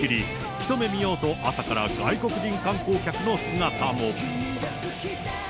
一目見ようと、朝から外国人観光客の姿も。